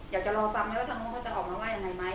อยากจะรอฟังไหมว่าทางนู้นเขาจะออกมาว่ายังไงไหม